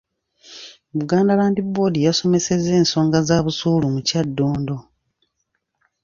Buganda Land Board yasomesezza ensonga za busuulu mu Kyaddondo.